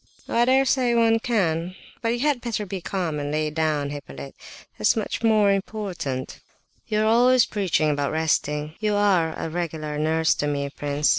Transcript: "Oh, I dare say one can; but you had better be calm and lie down, Hippolyte—that's much more important." "You are always preaching about resting; you are a regular nurse to me, prince.